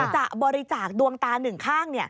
จะบริจาคดวงตาหนึ่งข้าง